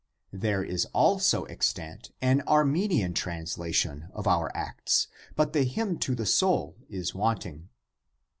There is also extant an Armenian translation of our Acts; but the hymn to the soul is wanting.